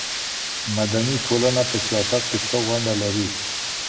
مدني ټولنه په سياست کي څه ونډه لري؟